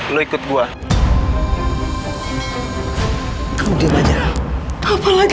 lewat pintu belakang